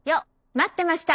待ってました！